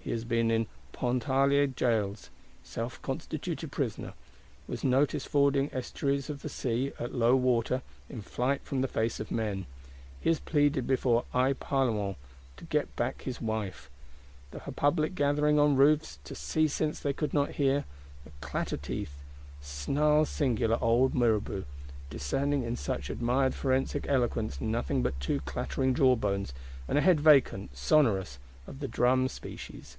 He has been in Pontarlier Jails (self constituted prisoner); was noticed fording estuaries of the sea (at low water), in flight from the face of men. He has pleaded before Aix Parlements (to get back his wife); the public gathering on roofs, to see since they could not hear: 'the clatter teeth (claque dents)!' snarles singular old Mirabeau; discerning in such admired forensic eloquence nothing but two clattering jaw bones, and a head vacant, sonorous, of the drum species.